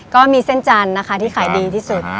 ก็มีเส้นจันทร์นะคะที่ขายดีที่สุด